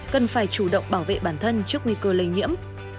cần phải chủ động bảo vệ bản thân trước nguy cơ lây nhiễm